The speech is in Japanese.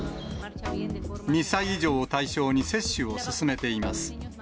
２歳以上を対象に接種を進めています。